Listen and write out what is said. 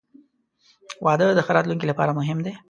• واده د ښه راتلونکي لپاره مهم دی.